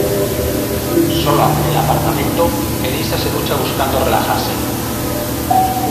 Sola en el apartamento, Elisa se ducha buscando relajarse.